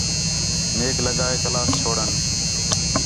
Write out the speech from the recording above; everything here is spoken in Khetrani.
میک لڳا ہے کلاس چھوڑݨ